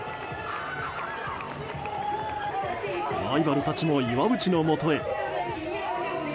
ライバルたちも岩渕のもとへ。